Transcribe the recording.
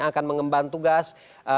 akan mengembang tugas